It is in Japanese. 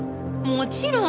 もちろん！